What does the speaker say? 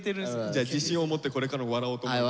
じゃあ自信を持ってこれからも笑おうと思います。